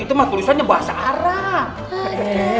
itu mah tulisannya bahasa arab